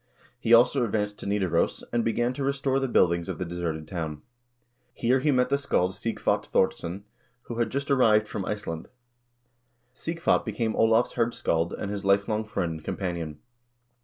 He also advanced to Nidaros, and began to restore the buildings of the deserted town. Here he met the scald Sighvat Thordsson, who had just arrived from Iceland. Sighvat became Olav's hirdscald and his lifelong friend and companion.